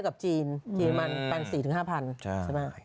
กับจีนจีนมัน๔๕พันใช่ไหม